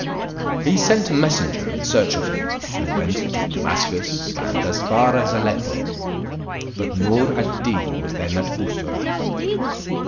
He sent a messenger in search of him, who went to Damascus, and as far as Aleppo, but Noor ad Deen was then at Bussorah.